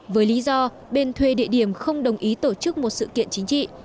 với lý do bên thuê địa điểm không đồng ý tổ chức một sự kiện chính trị